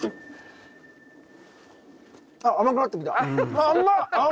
あっ甘くなってきた。